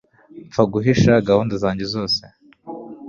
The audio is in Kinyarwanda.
mfa guhisha gahunda zanjye zose